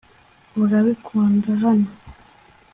Urabikunda hano